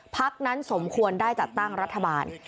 พักนั้นสมควรได้จัดตั้งรัฐบาล